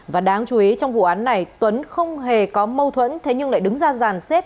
và đáng chú ý trong vụ án này tuấn không hề có mâu thuẫn thế nhưng lại đứng ra giàn xếp